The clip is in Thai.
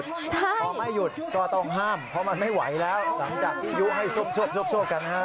ใช่เพราะไม่หยุดก็ต้องห้ามเพราะมันไม่ไหวแล้วหลังจากยุให้โซบกันค่ะ